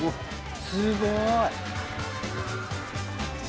すごい！